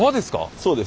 そうです。